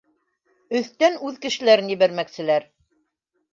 Өҫтән үҙ кешеләрен ебәрмәкселәр.